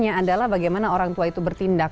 untuk yang pertama bagaimana orang tua itu bertindak